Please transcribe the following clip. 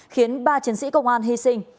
khiến ba chiến sĩ công an hy sinh